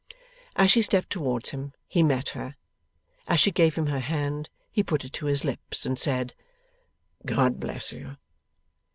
As she stepped towards him, he met her. As she gave him her hand, he put it to his lips, and said, 'God bless you!